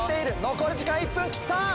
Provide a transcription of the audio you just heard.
残り時間１分切った！